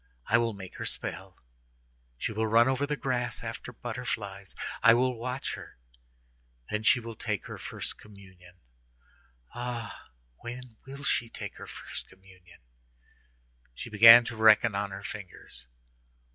I will make her spell. She will run over the grass after butterflies. I will watch her. Then she will take her first communion. Ah! when will she take her first communion?" She began to reckon on her fingers.